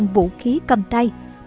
hai mươi vũ khí cầm tay